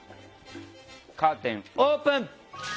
カーテンオープン。